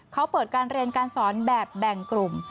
เขาเปิดการเรียนการสอนแบบแบ่งกลุ่ม